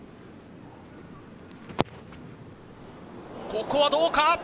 ここはどうか？